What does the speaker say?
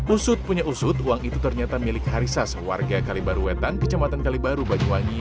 usut punya usut uang itu ternyata milik harisas warga kalimantan kecamatan kalimantan banyuwangi